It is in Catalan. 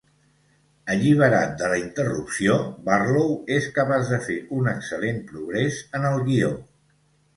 Alliberat de la interrupció, Bartlow és capaç de fer un excel·lent progrés en el guió.